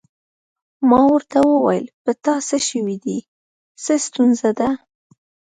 ما ورته وویل: په تا څه شوي دي؟ څه ستونزه ده؟